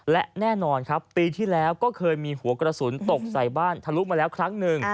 และแน่นอนครับปีที่แล้วก็เคยมีหัวกระสุนตกใส่บ้านทะลุมาแล้วครั้งหนึ่ง